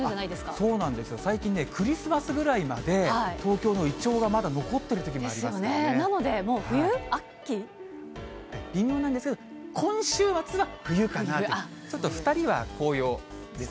そうなんですよ、最近ね、クリスマスぐらいまで、東京のイチョウがまだ残っているときありなので、もう冬？微妙なんですが、今週末は冬してますね。